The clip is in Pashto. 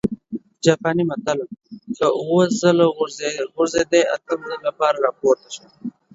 جاپانى متل: که اووه ځل وغورځېدې، اتم ځل لپاره هم راپورته شه!